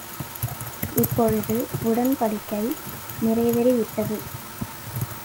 இப்பொழுது உடன்படிக்கை நிறைவேறி விட்டது.